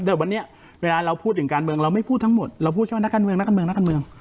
แต่วันนี้เวลาเราพูดถึงการเมืองเราไม่พูดทั้งหมดเราพูดแค่ว่านักการเมืองนักการเมืองนักการเมือง